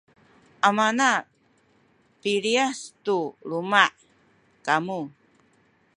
amana piliyas tu luma’ kamu